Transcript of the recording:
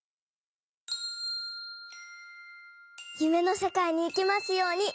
ゆめのせかいにいけますように。